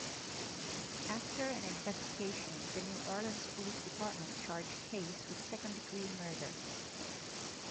After an investigation, the New Orleans Police Department charged Hayes with second-degree murder.